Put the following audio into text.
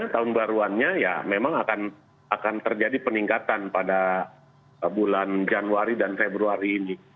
tahun baruannya ya memang akan terjadi peningkatan pada bulan januari dan februari ini